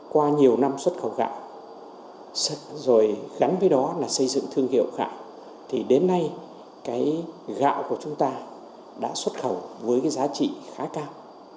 qua nhiều năm xuất khẩu gạo rồi gắn với đó là xây dựng thương hiệu gạo thì đến nay cái gạo của chúng ta đã xuất khẩu với cái giá trị khá cao